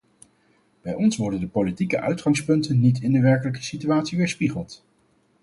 Bij ons worden de politieke uitgangspunten niet in de werkelijke situatie weerspiegeld.